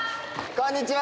こんにちは！